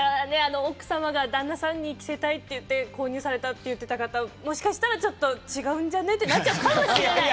奥様が旦那さんに着せたいと言って購入された方、もしかしたら違うんじゃね？ってなっちゃうかもしれない。